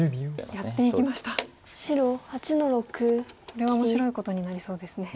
これは面白いことになりそうですね。